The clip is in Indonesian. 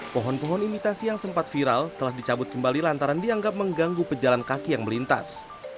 pohon pohon imitasi yang sempat viral telah dicabut kembali lantaran dianggap mengganggu pejalan kaki yang melintas